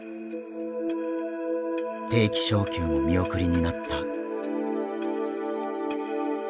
定期昇給も見送りになった。